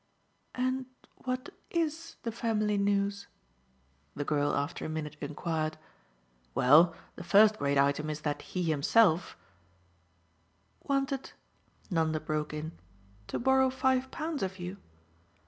"And what IS the family news?" the girl after a minute enquired. "Well, the first great item is that he himself " "Wanted," Nanda broke in, "to borrow five pounds of you?